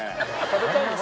食べたいの？